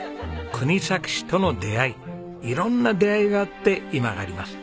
国東市との出会い色んな出会いがあって今があります。